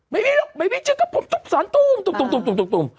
ไม่มีลูกไม่มีเจ้ากระปุ่มตุ๊บสารตุ้มตุ๊บตุ๊บตุ๊บ